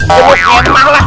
ya mau berkemah lah